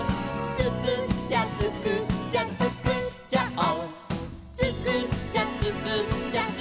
「つくっちゃつくっちゃつくっちゃオー！」